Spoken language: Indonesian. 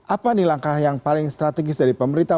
apa nih langkah yang paling strategis dari pemerintah